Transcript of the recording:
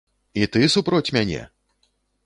І ты супроць мяне?